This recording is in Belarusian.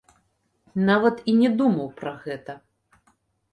Нават і не думаў пра гэта.